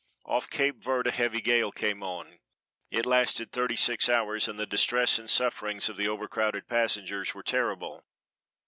Off Cape Verd a heavy gale came on. It lasted thirty six hours, and the distress and sufferings of the over crowded passengers were terrible.